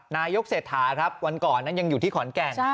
นายกเศรษฐาครับวันก่อนนั้นยังอยู่ที่ขอนแก่น